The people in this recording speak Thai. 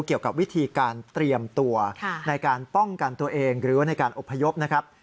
เกี่ยวกับวิธีการเตรียมตัวในการป้องกันตัวเองหรือว่าในการอบพยพนะครับ